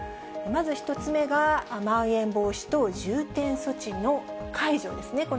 まず１つ目が、まん延防止等重点措置の解除ですね。